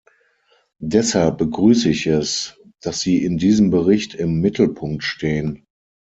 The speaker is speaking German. Deshalb begrüße ich es, dass sie in diesem Bericht im Mittelpunkt stehen.